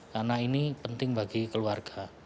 karena ini penting bagi keluarga